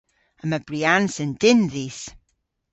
Yma briansen dynn dhis.